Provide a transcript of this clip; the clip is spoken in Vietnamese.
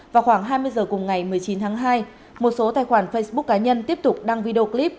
vào khoảng hai mươi h cùng ngày một mươi chín tháng hai một số tài khoản facebook cá nhân tiếp tục đăng video clip